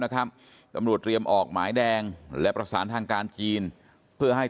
ตำรวจเตรียมออกหมายแดงและประสานทางการจีนเพื่อให้